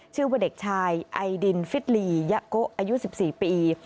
ชื่อว่าเด็กชายไอดินฟิตลียะโกะอายุ๑๔ปี